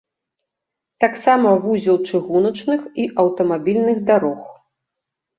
Таксама вузел чыгуначных і аўтамабільных дарог.